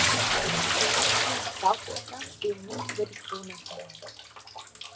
Die vier fertilen Staubblätter stehen nicht über die Krone hinaus.